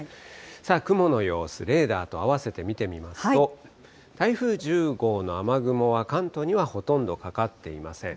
さあ、雲の様子、レーダーと合わせて見てみますと、台風１０号の雨雲は、関東にはほとんどかかっていません。